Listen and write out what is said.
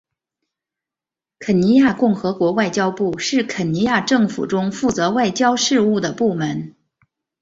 肯尼亚共和国外交部是肯尼亚政府中负责外交事务的部门。